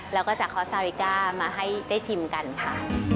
แล้วก็จากฮอสซาริก้ามาให้ได้ชิมกันค่ะ